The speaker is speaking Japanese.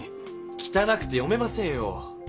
きたなくて読めませんよ。